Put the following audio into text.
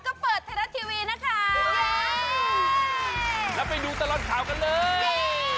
ก็เปิดไทยรัฐทีวีนะคะแล้วไปดูตลอดข่าวกันเลย